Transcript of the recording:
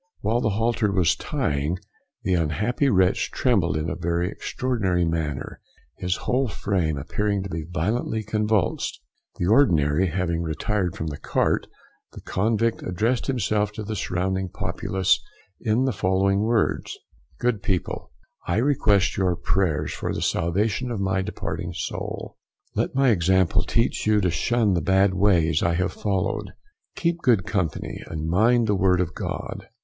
While the halter was tying, the unhappy wretch trembled in a very extraordinary manner, his whole frame appearing to be violently convulsed. The Ordinary having retired from the cart, the convict addressed himself to the surrounding populace in the following words, "Good people, I request your prayers for the salvation of my departing soul; let my example teach you to shun the bad ways I have followed; keep good company, and mind the word of God."